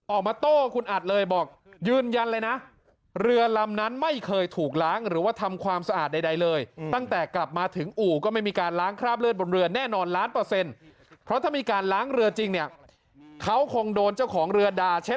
ออกมาโต้คุณอัจเลยบอกยืนยันเลยนะเรือลำนั้นไม่เคยถูกล้างหรือว่าทำความสะอาดใดเลย